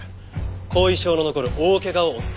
後遺症の残る大怪我を負った。